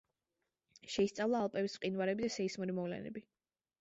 შეისწავლა ალპების მყინვარები და სეისმური მოვლენები.